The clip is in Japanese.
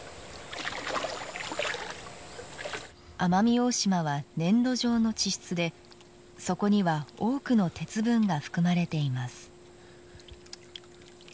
奄美大島は粘土状の地質で、そこには多くの鉄分が含まれています。